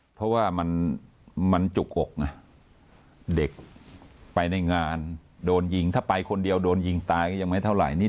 เพราะว่ามันจุกอกไงเด็กไปในงานโดนยิงถ้าไปคนเดียวโดนยิงตายก็ยังไม่เท่าไหร่นี่